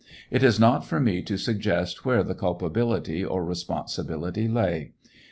It is not for me to suggest where the culpability or responsibility lay.